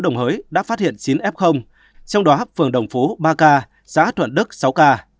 đồng hới đã phát hiện chín f trong đó phường đồng phú ba k xã thuận đức sáu ca